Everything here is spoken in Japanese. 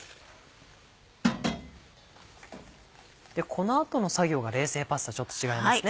この後の作業が冷製パスタちょっと違いますね。